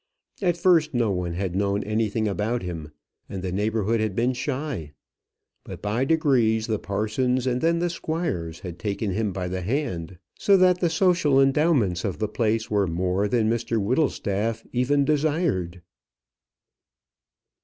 At first no one had known anything about him; and the neighbourhood had been shy. But by degrees the parsons and then the squires had taken him by the hand, so that the social endowments of the place were more than Mr Whittlestaff even desired.